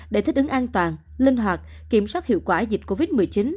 để thích ứng an toàn linh hoạt kiểm soát hiệu quả dịch covid một mươi chín